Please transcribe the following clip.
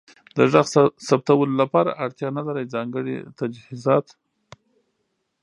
د غږ ثبتولو لپاره اړتیا نلرئ ځانګړې تجهیزات.